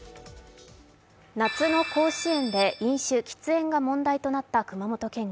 夏の甲子園で飲酒・喫煙が問題となった熊本県議。